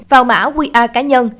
vào mã qr cá nhân